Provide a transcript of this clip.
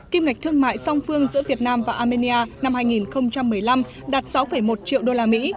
kim ngạch thương mại song phương giữa việt nam và armenia năm hai nghìn một mươi năm đạt sáu một triệu đô la mỹ